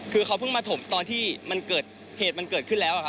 คือเขาเพิ่งมาถมตอนที่เหตุมันเกิดขึ้นแล้ว